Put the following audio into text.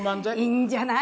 いんじゃない？